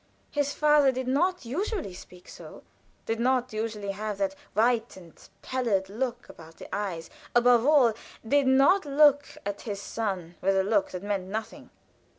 His father did not usually speak so; did not usually have that white and pallid look about the eyes above all, did not look at his son with a look that meant nothing.